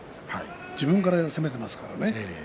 自分から攻めていますからね。